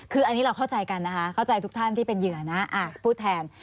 คืออันนี้เราเข้าใจกันนะคะเข้าใจทุกท่านที่เป็นเหยื่อนะพูดแทน